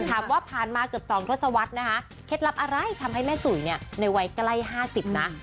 ถามว่าผ่านมาเกือบ๒ทศวรรษนะคะเคล็ดลับอะไรทำให้แม่สุยเนี่ยในวัยใกล้๕๐นะ